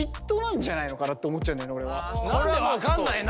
「何で分かんないの！」